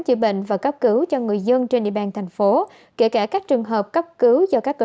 chữa bệnh và cấp cứu cho người dân trên địa bàn thành phố kể cả các trường hợp cấp cứu do các cơ